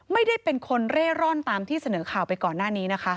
ไม่ได้เป็นคนเร่ร่อนตามที่เสนอข่าวไปก่อนหน้านี้นะคะ